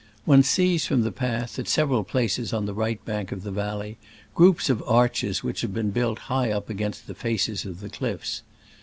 One sees from the path, at several places on the right bank of the valley, groups of arches which have been built high up against the faces of the cliffs.